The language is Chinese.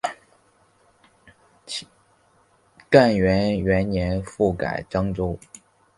干元元年复改漳州。